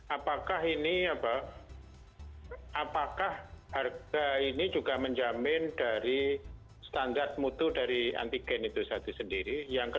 apakah ini apakah harga ini juga menjamin dari standar mutu dari antigen itu satu sendiri